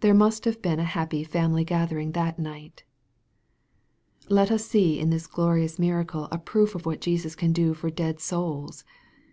There must have been a happy family gathering that night ! Let us see in this glorious miracle a proof of what Jesus can do for dead souls.